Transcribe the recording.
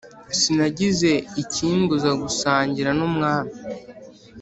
Sinagize ikimbuza gusangira n’umwami